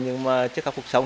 nhưng mà trước khắc phục xong